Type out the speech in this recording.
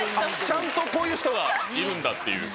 ちゃんとこういう人がいるんだっていう。